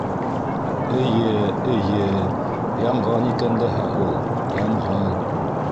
Эйе, эйе... янған икән дәһә ул, янған...